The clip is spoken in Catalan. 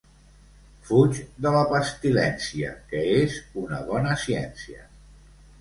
Fuig de la pestilència, que és una bona ciència.